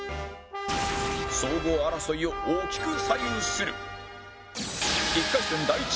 総合争いを大きく左右する